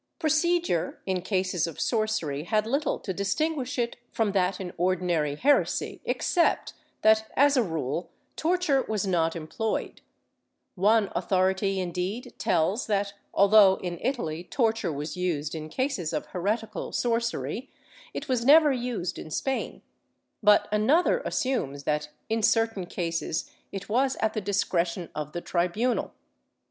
^ Procedure in cases of sorcery had little to distinguish it from that in ordinary heresy, except that, as a rule, torture was net employed. One authority, indeed, tells that, although in Italy torture was used in cases of heretical sorcery, it was never used in Spain, but another assumes that in certain cases it was at the discretion of the tribunal.